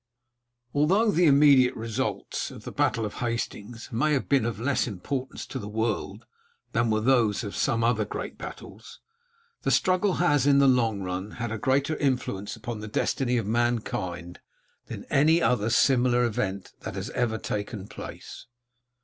Although the immediate results of the Battle of Hastings may have been of less importance to the world than were those of some other great battles, the struggle has, in the long run, had a greater influence upon the destiny of mankind than any other similar event that has ever taken place.